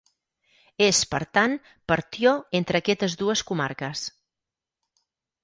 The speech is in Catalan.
És, per tant, partió entre aquestes dues comarques.